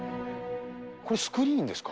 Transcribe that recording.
これ、スクリーンですか？